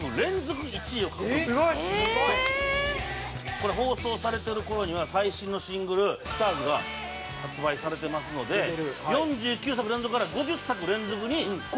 これ放送されてる頃には最新のシングル『ＳＴＡＲＳ』が発売されてますので４９作連続から５０作連続に更新してる可能性があります。